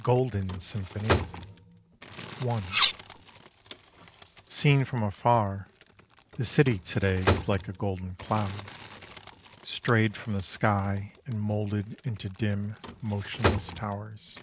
GOLDEN SYMPHONY I Seen from afar, the city To day is like a golden cloud: Strayed from the sky and moulded Into dim motionless towers.